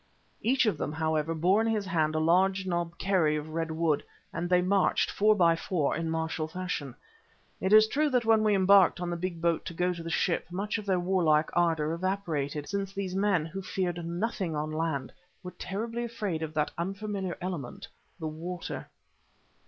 Each of them, however, bore in his hand a large knobkerry of red wood, and they marched four by four in martial fashion. It is true that when we embarked on the big boat to go to the ship much of their warlike ardour evaporated, since these men, who feared nothing on the land, were terribly afraid of that unfamiliar element, the water.